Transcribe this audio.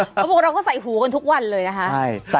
เขาบอกเราก็ใส่หูกันทุกวันเลยนะคะ